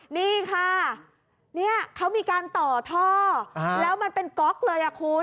นี่ค่ะเนี่ยเขามีการต่อท่อแล้วมันเป็นก๊อกเลยอ่ะคุณ